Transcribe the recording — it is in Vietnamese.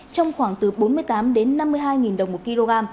trong khoảng từ bốn mươi tám năm mươi hai đồng một kg